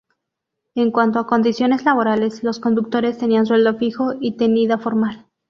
En cuanto a condiciones laborales, los conductores tenían sueldo fijo y tenida formal.